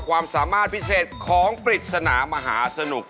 ความสามารถพิเศษของปริศนามหาสนุก